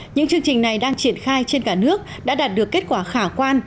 những chương trình này đang triển khai trên cả nước đã đạt được kết quả khả quan